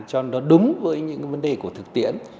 cho nó đúng với những vấn đề của thực tiễn